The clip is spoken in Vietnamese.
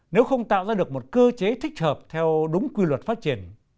nếu không tạo ra được một cơ chế thích hợp theo đúng quy luật phát triển